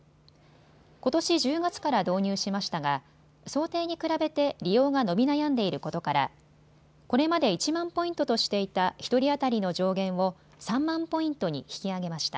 ことし１０月から導入しましたが想定に比べて利用が伸び悩んでいることからこれまで１万ポイントとしていた１人当たりの上限を３万ポイントに引き上げました。